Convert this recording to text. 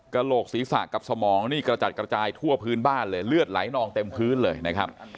โหลกศีรษะกับสมองนี่กระจัดกระจายทั่วพื้นบ้านเลยเลือดไหลนองเต็มพื้นเลยนะครับ